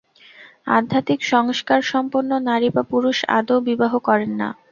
আধ্যাত্মিক সংস্কারসম্পন্ন নারী বা পুরুষ আদৌ বিবাহ করেন না।